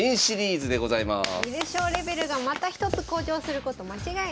観る将レベルがまた一つ向上すること間違いなし。